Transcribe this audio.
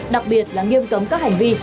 đặc biệt là nghiêm cấm các hành vi